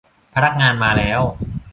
พนักงานมาแล้ว